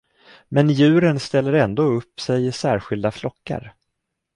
Men djuren ställer ändå upp sig i särskilda flockar.